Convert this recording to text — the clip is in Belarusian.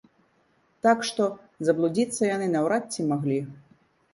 Так што, заблудзіцца яны наўрад ці маглі.